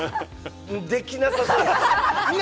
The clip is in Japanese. できなさそう。